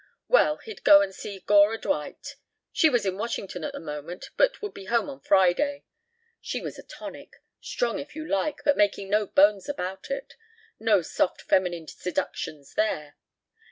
Well, he'd go and see Gora Dwight. She was in Washington at the moment, but would be home on Friday. She was a tonic. Strong if you like, but making no bones about it. No soft feminine seductions there.